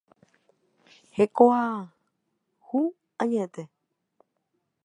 Hekoayhu añete.